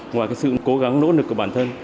ngoài cái sự cố gắng nỗ lực của bản thân